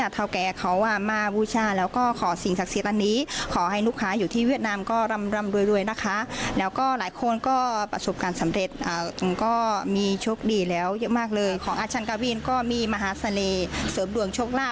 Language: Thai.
ตามที่ความต้องการของลูกค้านะคะ